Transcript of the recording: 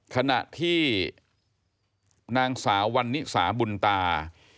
ขณะที่นางสาววันนิสาบุญตา